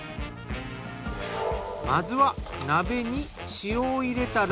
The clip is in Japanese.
まずは鍋に塩を入れたら。